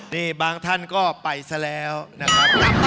นี่บางท่านก็ไปซะแล้วนะครับ